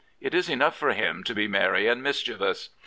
It is enough for him to be merry and mischievous.